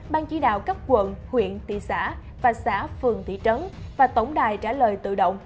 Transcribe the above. ban chỉ đạo cấp quận huyện thị xã và xã phường thị trấn và tổng đài trả lời tự động